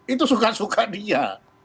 itu suka suka dia